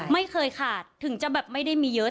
ไม่เคยขาดถึงจะแบบไม่ได้มีเยอะ